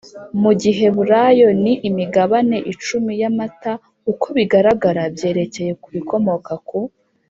Mu giheburayo ni imigabane icumi y amata Uko bigaragara byerekeza ku bikomoka ku